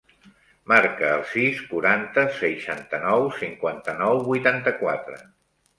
Marca el sis, quaranta, seixanta-nou, cinquanta-nou, vuitanta-quatre.